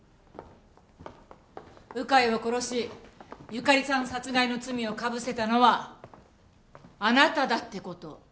鵜飼を殺しゆかりさん殺害の罪をかぶせたのはあなただって事。